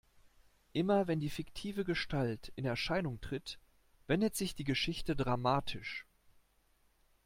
Immer wenn die fiktive Gestalt in Erscheinung tritt, wendet sich die Geschichte dramatisch.